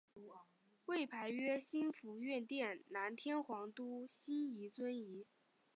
位牌曰兴福院殿南天皇都心位尊仪。